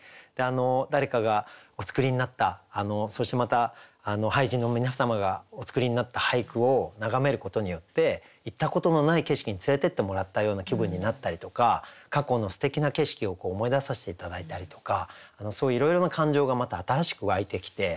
誰かがお作りになったそしてまた俳人の皆様がお作りになった俳句を眺めることによって行ったことのない景色に連れてってもらったような気分になったりとか過去のすてきな景色を思い出させて頂いたりとかそういういろいろな感情がまた新しく湧いてきて。